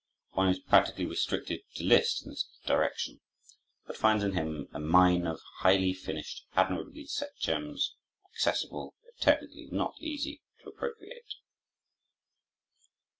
One is practically restricted to Liszt in this direction, but finds in him a mine of highly finished, admirably set gems, accessible, though technically not easy to appropriate.